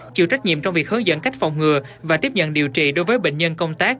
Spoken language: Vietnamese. chịu trách nhiệm trong việc hướng dẫn cách phòng ngừa và tiếp nhận điều trị đối với bệnh nhân công tác